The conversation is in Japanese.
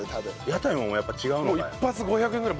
屋台もやっぱ違うのかい？